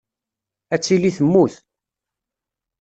Ad tili temmut.